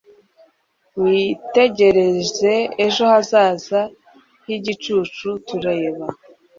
Witegereze ejo hazaza higicucu tureba